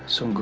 aku tak mau